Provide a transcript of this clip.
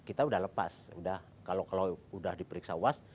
kita sudah lepas kalau sudah diperiksa was